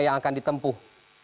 yang akan ditempuh